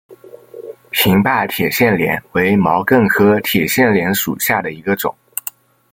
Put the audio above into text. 平坝铁线莲为毛茛科铁线莲属下的一个种。